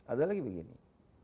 ada lagi begini